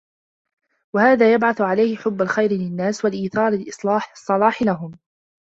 وَهَذَا يَبْعَثُ عَلَيْهِ حُبُّ الْخَيْرِ لِلنَّاسِ وَإِيثَارُ الصَّلَاحِ لَهُمْ